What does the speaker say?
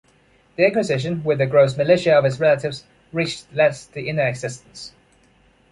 The inquisition, with the gross militia of its relatives, reached less the inner existence.